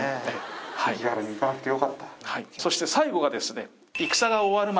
そして最後がですね。